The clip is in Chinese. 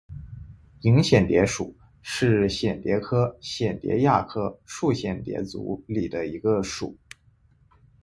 莹蚬蝶属是蚬蝶科蚬蝶亚科树蚬蝶族里的一个属。